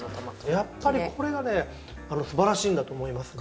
やっぱりこれがねすばらしいんだと思いますね。